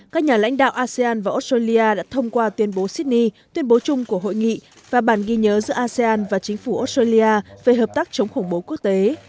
các lãnh đạo đã thông qua tuyên bố sydney tuyên bố chung của hội nghị và bản ghi nhớ giữa asean và chính phủ australia về hợp tác chống khủng bố quốc tế